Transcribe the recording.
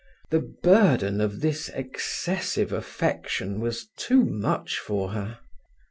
The burden of this excessive affection was too much for her.